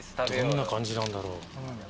どんな感じなんだろう。